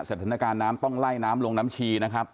สถานการณ์น้ำต้องไล่น้ำลงน้ำชีนะครับ